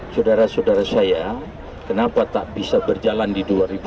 saudara saudara saya kenapa tak bisa berjalan di dua ribu dua puluh